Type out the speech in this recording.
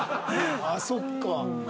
あっそっか。